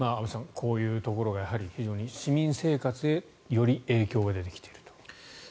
こういうところがやはり市民生活へより影響が出てきていると。